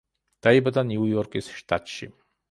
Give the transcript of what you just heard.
დაიბადა ნიუ-იორკის შტატში.